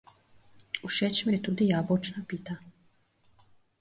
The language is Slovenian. Všeč mi je tudi jabolčna pita.